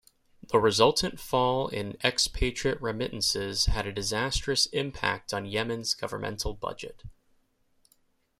The resultant fall in expatriate remittances had a disastrous impact on Yemen's governmental budget.